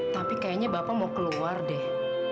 tapi kayaknya bapak mau keluar deh